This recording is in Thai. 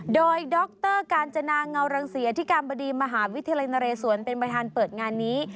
โดยดรกาญจนาเงารังเสียอธิการบดีมหาวิทยาลัยนเรศวรเป็นประธานเปิดงานนี้